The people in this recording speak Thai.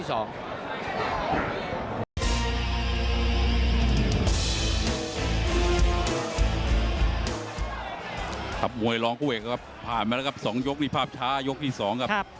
จับมวยรองก้วยแครกผ่านมาแล้วครับ๒ยกมีภาพท้ายกที่สองครับ